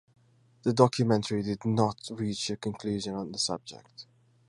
The documentary did not reach a conclusion on the subject.